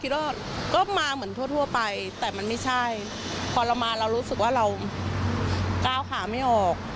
เราก้าวขายไม่ออก